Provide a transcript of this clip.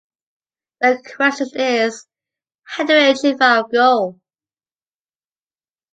The question is, how do we achieve our goal?